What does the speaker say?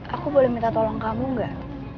aku boleh minta tolong kamu nggak